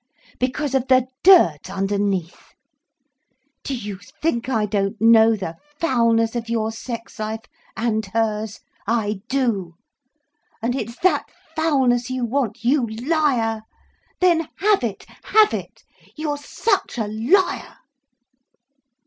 Because of the dirt underneath. Do you think I don't know the foulness of your sex life—and her's?—I do. And it's that foulness you want, you liar. Then have it, have it. You're such a liar."